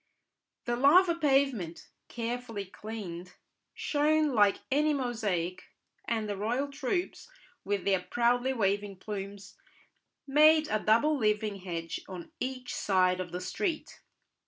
The lava pavement, carefully cleaned, shone like any mosaic, and the royal troops, with their proudly waving plumes, made a double living hedge on each side of the street.